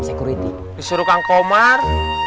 security disuruh kang komar